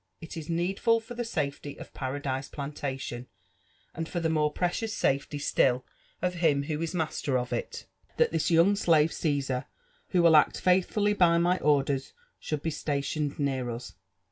It is needful for the safety of Paradise Plantation, and for the more precious safety still of him who is the master of it, that JONATHAN JEFFERSON WHITLAW. tS» this young slave Caesar, who will act faithfully hy my orders, should be stationed near us.